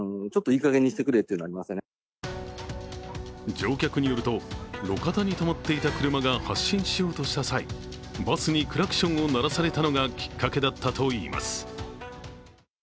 乗客によると、路肩に止まっていた車が発進しようとした際、バスにクラクションを鳴らされたのがきっかけだったといいます。